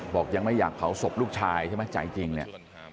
บอกยังไม่อยากเผาศพลูกชายใช่ไหมใจจริงเนี่ย